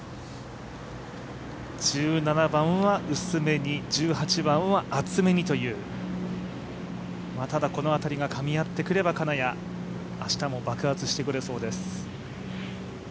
１７番は薄めに、１８番は厚めにという、ただ、この辺りがかみ合ってくれば金谷、明日も爆発してくれそうです。